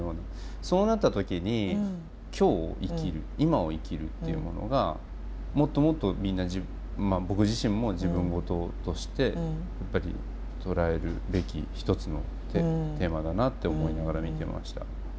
そうなった時に今日生きる今を生きるっていうものがもっともっとみんな僕自身も自分事としてやっぱり捉えるべき一つのテーマだなって思いながら見てました。